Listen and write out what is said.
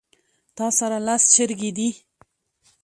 تاسره لس چرګې دي